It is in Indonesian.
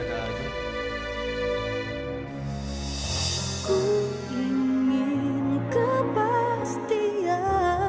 aku ingin kepastian